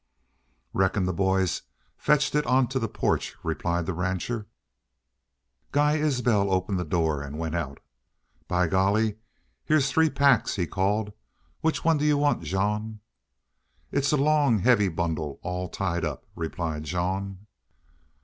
"Reckon the boys fetched it onto the porch," replied the rancher. Guy Isbel opened the door and went out. "By golly! heah's three packs," he called. "Which one do you want, Jean?" "It's a long, heavy bundle, all tied up," replied Jean.